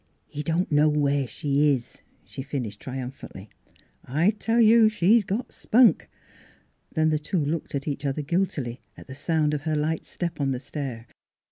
" He don't know where she is," she fin ished triumphantly. " I tell you she's got spunk !" Then the two looked at each other guilt ily, at sound of her light step on the stair.